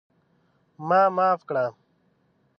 ما معاف کړه!